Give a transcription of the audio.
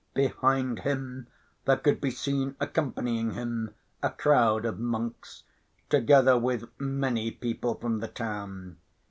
Behind him there could be seen accompanying him a crowd of monks, together with many people from the town.